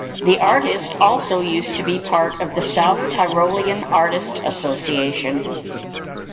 The artist also used to be part of the South Tyrolean Artists Association.